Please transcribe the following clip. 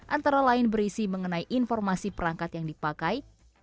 antara lain berisi mengenai informasi perangkat yang dipakai